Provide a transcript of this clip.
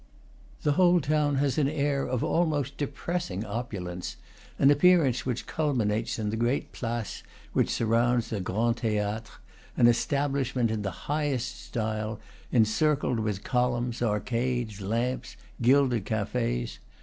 The whole town has an air of almost depressing opulence, an appear ance which culminates in the great place which sur rounds the Grand Theatre, an establishment in the highest style, encircled with columns, arcades, lamps, gilded cafes.